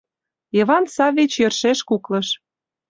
Йыван Саввич йӧршеш куклыш.